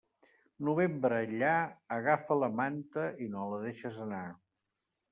Novembre enllà, agafa la manta i no la deixes anar.